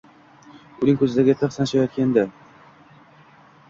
Uning ko‘zidagi tig‘ sanchayotgandi.